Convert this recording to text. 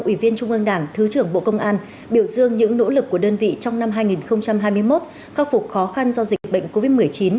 ủy viên trung ương đảng thứ trưởng bộ công an biểu dương những nỗ lực của đơn vị trong năm hai nghìn hai mươi một khắc phục khó khăn do dịch bệnh covid một mươi chín